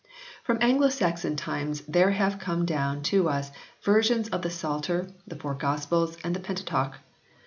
From Anglo Saxon times there have come down to us versions of the Psalter, the Four Gospels and the Pentateuch.